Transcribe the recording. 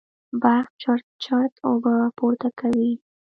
برق چړت چړت اوبه پورته کوي.